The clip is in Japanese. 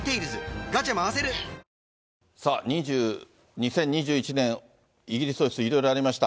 ２０２１年イギリス王室、いろいろありました。